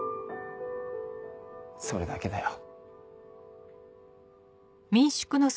それだけだよ。